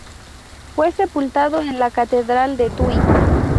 Fue sepultado en la Catedral de Tuy.